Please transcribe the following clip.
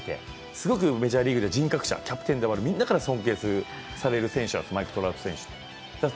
すごくメジャーリーグで人格者、キャプテンでもありみんなから尊敬される選手なんです、マイク・トラウト選手は。